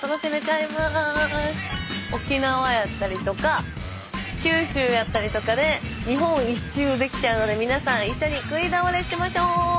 沖縄やったりとか九州やったりとかで日本一周できちゃうので皆さん一緒に食い倒れしましょ。